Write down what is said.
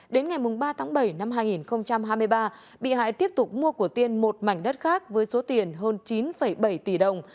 đến ngày ba tháng bảy năm hai nghìn hai mươi ba bị hại tiếp tục mua của tiên một mảnh đất khác với số tiền hơn chín bảy tỷ đồng